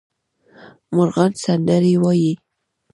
مرغان سندرې وايي